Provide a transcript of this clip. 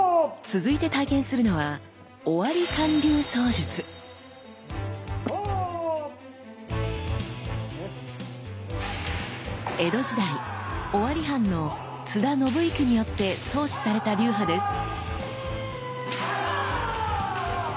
続いて体験するのは江戸時代尾張藩の津田信之によって創始された流派です。